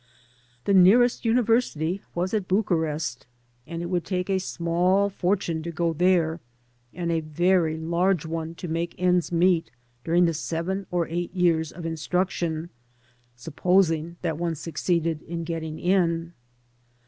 The nearest university was at Bu charest, and it would take a small fortune to go there and a very large one to make ends meet during the seven or eight years of instruction, supposing that one succeeded in getting in.